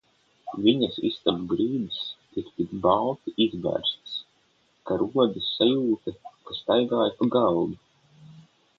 Viņas istabu grīdas ir tik balti izberztas, ka rodas sajūta, ka staigātu pa galdu.